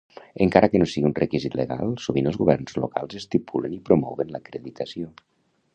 Encara que no sigui un requisit legal, sovint els governs locals estipulen i promouen l'acreditació.